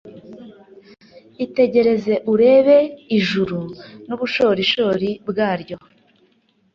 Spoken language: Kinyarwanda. Itegereze urebe ijuru n’ubushorishori bwaryo,